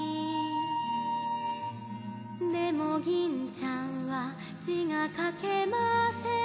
「でも銀ちゃんは字が書けません」